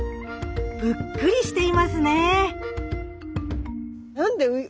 ぷっくりしていますね。